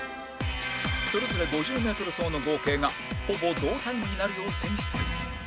それぞれ５０メートル走の合計がほぼ同タイムになるよう選出